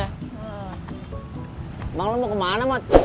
emang lu mau kemana mot